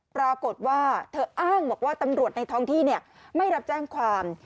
ปรากฏว่าเธออ้างบอกว่าตำรวจในท้องที่ไม่รับแจ้งความ